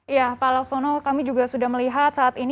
ya pak laksono kami juga sudah melihat saat ini asg sudah menyebutkan ya